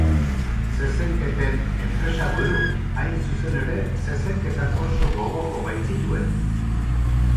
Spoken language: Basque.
Zezenketen enpresaburu, hain zuzen ere, zezenketak oso gogoko baitzituen.